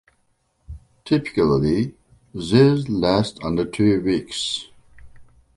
Typically, these last under two weeks.